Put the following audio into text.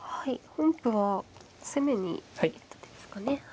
本譜は攻めに行った手ですかね。